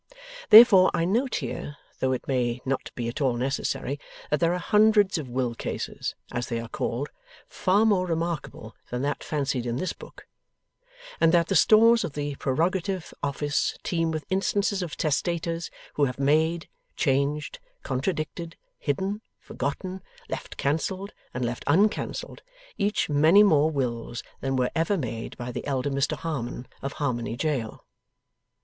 Therefore, I note here, though it may not be at all necessary, that there are hundreds of Will Cases (as they are called), far more remarkable than that fancied in this book; and that the stores of the Prerogative Office teem with instances of testators who have made, changed, contradicted, hidden, forgotten, left cancelled, and left uncancelled, each many more wills than were ever made by the elder Mr Harmon of Harmony Jail.